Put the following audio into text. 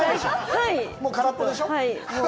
もう空っぽでしょう？